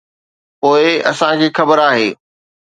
پوء اسان کي خبر آهي.